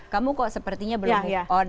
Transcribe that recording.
kamu kok sepertinya belum move on